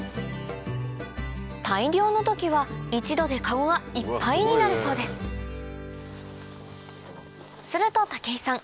大漁の時は一度でかごがいっぱいになるそうですすると武井さん